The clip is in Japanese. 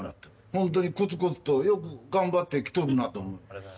ホントにコツコツとよく頑張ってきとるなと思う。